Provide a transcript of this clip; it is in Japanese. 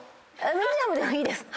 ミディアムでもいいです。